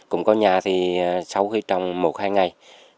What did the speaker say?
cũng có nhà thì sau khi trồng một hai ngày